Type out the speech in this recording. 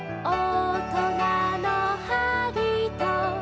「おとなのはりと」